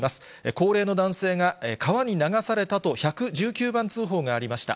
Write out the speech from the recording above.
高齢の男性が川に流されたと１１９番通報がありました。